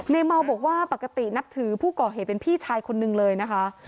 เมาบอกว่าปกตินับถือผู้ก่อเหตุเป็นพี่ชายคนนึงเลยนะคะ